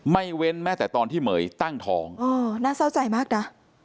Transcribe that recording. เว้นแม้แต่ตอนที่เหม๋ยตั้งท้องน่าเศร้าใจมากนะ